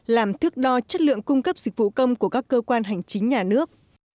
làm thước đo chất lượng cung cấp dịch vụ công của các cơ quan hành chính nhà nước